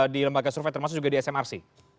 di lembaga survei termasuk juga di smrc